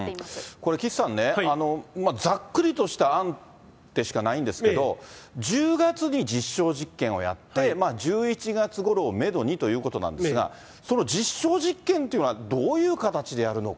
これ、岸さんね、ざっくりとした案でしかないんですけど、１０月に実証実験をやって、１１月ごろをメドにということなんですが、その実証実験というのはどういう形でやるのか。